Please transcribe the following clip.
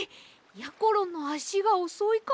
やころのあしがおそいから。